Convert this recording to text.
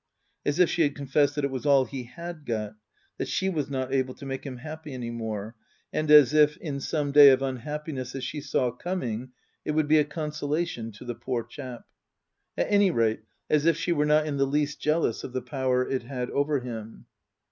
As if she had confessed that it was all he had got ; that she was not able to make him happy any more ; and as if, in some day of unhappiness that she saw coming, it would be a consolation to the poor chap. At any rate, as if she were not in the least jealous of the power it had over him.